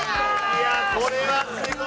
いやこれはすごい。